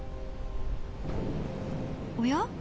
おや？